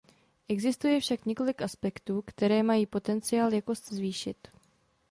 Existuje však několik aspektů, které mají potenciál jakost zvýšit.